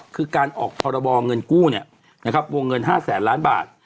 คือการออกพรบเงินกู้วงเงิน๕แสนล้านบาท